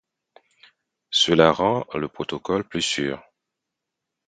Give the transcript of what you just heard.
Cela rend le protocole plus sûr.